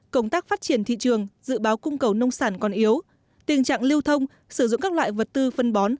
công tác phát triển thị trường dự báo cung cầu nông sản còn yếu tình trạng lưu thông sử dụng các loại vật tư phân bó